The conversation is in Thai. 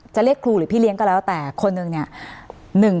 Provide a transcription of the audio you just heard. จะเรียกครูหรือพี่เลี้ยงก็แล้วแต่คนหนึ่งเนี่ย